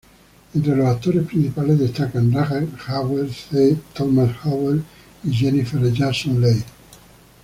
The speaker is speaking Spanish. Entre los actores principales destacan Rutger Hauer, C. Thomas Howell y Jennifer Jason Leigh.